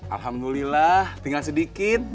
alhamdulillah tinggal sedikit